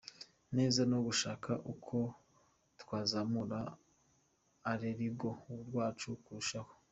neza no gushaka uko twazamura urergo rwacu kurushaho”.